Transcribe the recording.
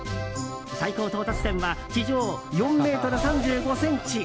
最高到達点は地上４ｍ３５ｃｍ。